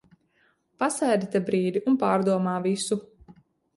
Pasēdi te brīdi un pārdomā visu.